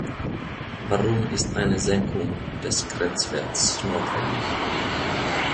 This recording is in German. Warum ist eine Senkung des Grenzwerts notwendig?